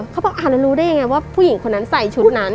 เขาบอกอ่าแล้วรู้ได้ยังไงว่าผู้หญิงคนนั้นใส่ชุดนั้น